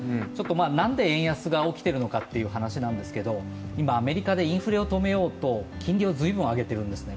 なんで円安が起きているのかという話なんですけども今、アメリカでインフレを止めようと金利を随分上げているんですね。